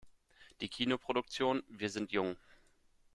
Die Kinoproduktion "Wir sind jung.